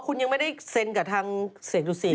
อ๋อคุณยังไม่ได้เซ็นกับทางเสกรุศิษฐ์